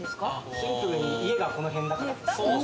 シンプルに家がこの辺だから。